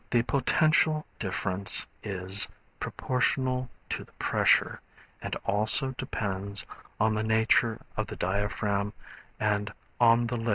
The potential difference is proportional to the pressure, and also depends on the nature of the diaphragm and on the liquid.